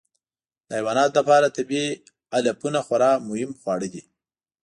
د حیواناتو لپاره طبیعي علفونه خورا مهم خواړه دي.